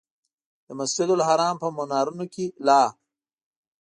د مسجدالحرام په منارونو کې لا.